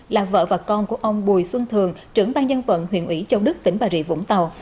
là vợ và con của ông bùi xuân thường trưởng ban dân vận huyện ủy châu đức tỉnh bà rịa vũng tàu